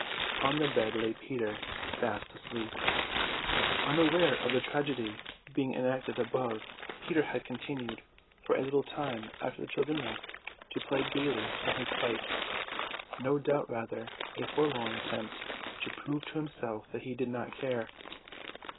On the bed lay Peter fast asleep. Unaware of the tragedy being enacted above, Peter had continued, for a little time after the children left, to play gaily on his pipes: no doubt rather a forlorn attempt to prove to himself that he did not care.